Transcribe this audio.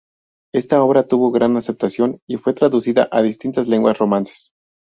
Esta obra tuvo gran aceptación y fue traducida a las distintas lenguas romances.